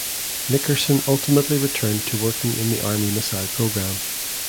Nickerson ultimately returned to working in the Army missile program.